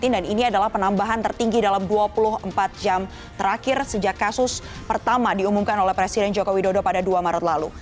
dan ini adalah penambahan tertinggi dalam dua puluh empat jam terakhir sejak kasus pertama diumumkan oleh presiden joko widodo pada dua maret lalu